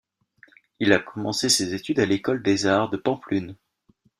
Il a commencé ses études à l'École des Arts de Pampelune.